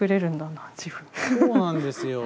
そうなんですよ。